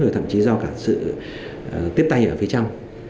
và thậm chí do cả sự tiếp tay ở phía trong